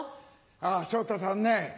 あぁ昇太さんね